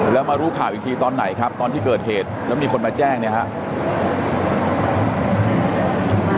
แล้วมารู้ข่าวอีกทีตอนไหนครับตอนที่เกิดเหตุแล้วมีคนมาแจ้งเนี่ยครับ